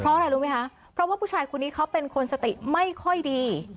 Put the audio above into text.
เพราะอะไรรู้ไหมคะเพราะว่าผู้ชายคนนี้เขาเป็นคนสติไม่ค่อยดี